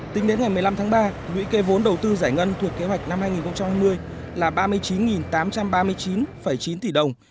tính đến ngày một mươi năm tháng ba lũy kê vốn đầu tư giải ngân thuộc kế hoạch năm hai nghìn hai mươi là ba mươi chín tám trăm ba mươi chín chín tỷ đồng